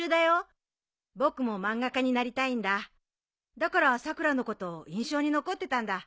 だからさくらのこと印象に残ってたんだ。